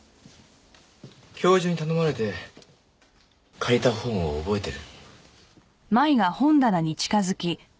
教授に頼まれて借りた本を覚えてる？